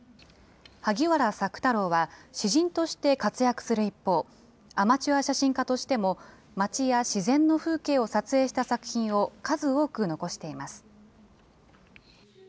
萩原朔太郎は詩人として活躍する一方、アマチュア写真家としても、街や自然の風景を撮影した作品を数多く残しています。